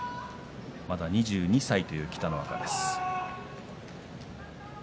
まだ２２歳という北の若です。